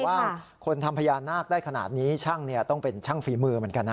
ว่าคนทำพญานาคได้ขนาดนี้ช่างต้องเป็นช่างฝีมือเหมือนกันนะ